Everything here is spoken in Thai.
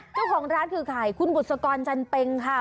เจ้าของร้านคือใครคุณบุษกรจันเป็งค่ะ